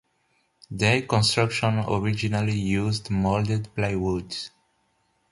Their construction originally used molded plywood.